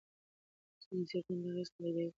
ځینې څېړنې دا اغېز تاییدوي.